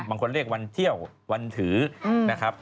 บางคนเรียกวันเที่ยววันถือนะครับ